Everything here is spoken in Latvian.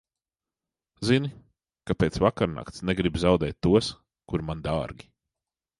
Zini, ka pēc vakarnakts negribu zaudēt tos, kuri man dārgi.